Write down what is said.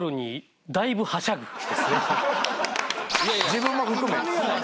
自分も含め？